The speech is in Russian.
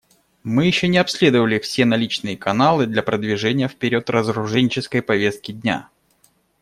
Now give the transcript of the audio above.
Мы еще не обследовали все наличные каналы для продвижения вперед разоруженческой повестки дня.